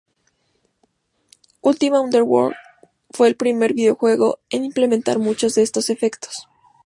Ultima Underworld fue el primer videojuego en implementar muchos de estos efectos.